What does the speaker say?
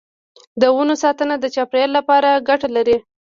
د ونو ساتنه د چاپیریال لپاره ګټه لري.